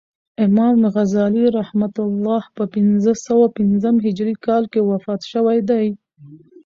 امام غزالی رحمة الله په پنځه سوه پنځم هجري کال کښي وفات سوی دئ.